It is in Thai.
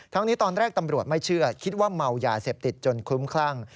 นี้ตอนแรกตำรวจไม่เชื่อคิดว่าเมายาเสพติดจนคลุ้มคลั่ง